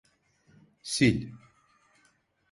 Sil!